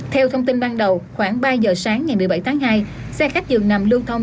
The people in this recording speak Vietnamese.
theo thông tin ban đầu khoảng ba giờ sáng ngày một mươi bảy tháng hai xe khách dường nằm lưu thông